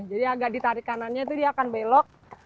jadi agak ditarik kanannya itu dia akan belok